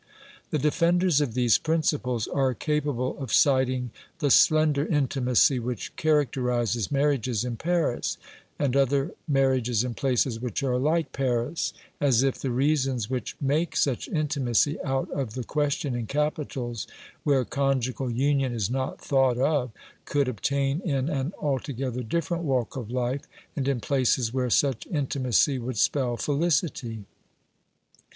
The defenders of these principles are capable of citing the slender intimacy which characterises marriages in Paris, and other marriages in places which are like Paris, as if the reasons which make such intimacy out of the question in capitals, where conjugal union is not thought of, could obtain in an altogether different walk of life, and in places where such intimacy would spell felicity.